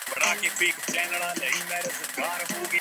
انگریزی